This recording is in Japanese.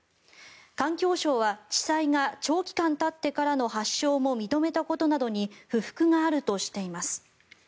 環境省は、地裁が長期間たってからの発症も認めたことなどに不服があるとしています。